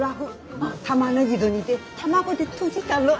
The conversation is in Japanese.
玉ねぎど煮で卵でとじたの。